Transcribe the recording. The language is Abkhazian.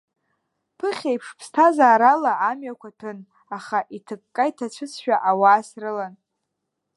Ԥыхьеиԥш ԥсҭазаарала амҩақәа ҭәын, аха, иҭыкка иҭацәызшәа, ауаа срылан.